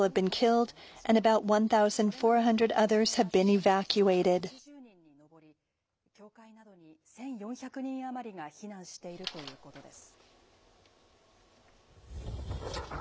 これまでに確認された死者の数は８０人に上り、教会などに１４００人余りが避難しているということです。